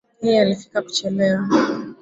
Yeye alifika kuchelewa